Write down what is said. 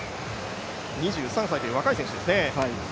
２３歳という若い選手ですね。